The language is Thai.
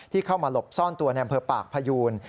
เข้ามาหลบซ่อนตัวในอำเภอปากพยูน